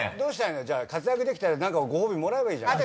じゃあ活躍できたら何かご褒美もらえばいいじゃん。